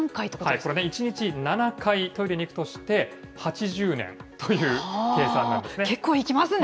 これね、１日７回トイレに行くとして、８０年という計算なん結構行きますね。